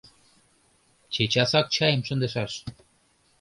Чечасак чайым шындышаш!